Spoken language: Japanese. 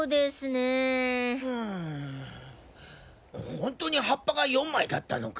ホントに葉っぱが４枚だったのか？